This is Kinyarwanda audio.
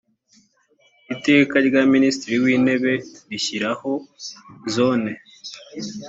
iteka rya minisitiri w intebe rishyiraho zone